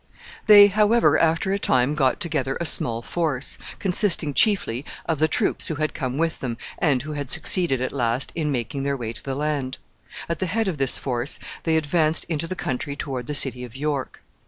They, however, after a time, got together a small force, consisting chiefly of the troops who had come with them, and who had succeeded at last in making their way to the land. At the head of this force they advanced into the country toward the city of York.